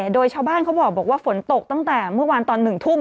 โดยชาวบ้านเขาบอกว่าฝนตกตั้งแต่เมื่อวานตอน๑ทุ่ม